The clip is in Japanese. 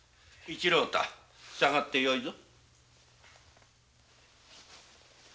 一郎太退ってよいぞ。